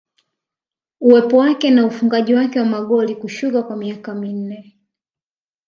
Uwepo wake na ufungaji wake wa magoli kushuka kwa miaka minne